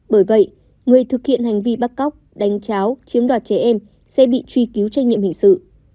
bởi vậy người thực hiện hành vi bắt cóc đánh cháo chiếm đoạt trẻ em sẽ bị truy cứu trách nhiệm hình sự